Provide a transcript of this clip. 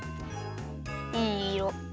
いいいろ。